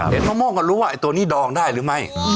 มะม่วงก็รู้ว่าไอ้ตัวนี้ดองได้หรือไม่